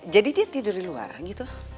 jadi dia tidur di luar gitu